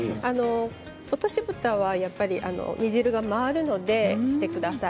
落としぶたは煮汁が回るのでしてください。